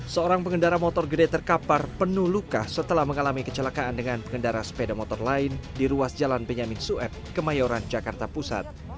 seorang pengendara motor gede terkapar penuh luka setelah mengalami kecelakaan dengan pengendara sepeda motor lain di ruas jalan benyamin sueb kemayoran jakarta pusat